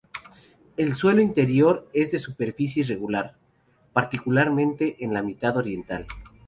El suelo interior es de superficie irregular, particularmente en la mitad oriental.